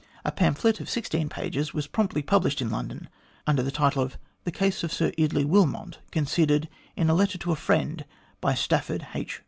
A pamphlet of sixteen pages was promptly published in London, under the title of "The Case of Sir Eardley Wilmot, Considered in a Letter to a Friend, by Stafford H.